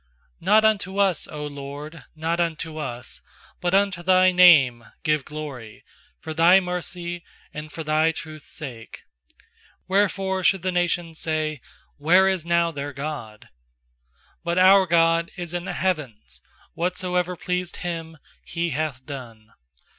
1 1 K Not unto us, 0 LORD, not unto J Lt ' us, But unto Thy name give glory, For Thy mercy, and for Thy truth's 859 115.2 PSALMS Wherefore should the nations say 'Where is now their God?' 3But our God is in the heavens; Whatsoever pleased Him He hath done.